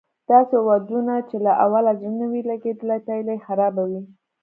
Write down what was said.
داسې ودونه چې له اوله زړه نه وي لګېدلی پايله یې خرابه وي